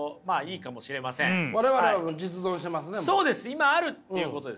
今あるっていうことですよね。